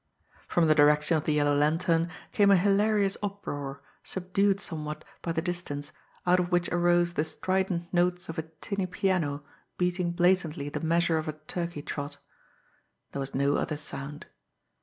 From the direction of "The Yellow Lantern" came a hilarious uproar, subdued somewhat by the distance, out of which arose the strident notes of a tinny piano beating blatantly the measure of a turkey trot. There was no other sound.